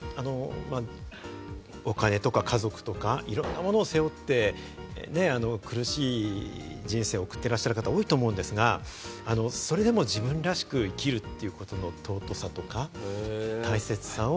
お金とか家族とか、いろんなものを背負って、苦しい人生を送ってらっしゃる方、多いと思うんですが、それでも自分らしく生きるということの尊さとか大切さを。